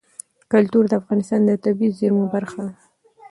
کلتور د افغانستان د طبیعي زیرمو برخه ده.